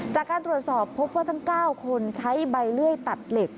จากการตรวจสอบพบว่าทั้ง๙คนใช้ใบเลื่อยตัดเหล็ก